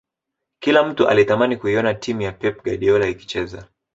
Kila mtu alitamani kuiona timu ya pep guardiola ikicheza